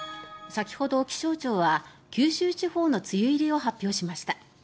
先ほど、気象庁は九州地方の梅雨入りを発表しました。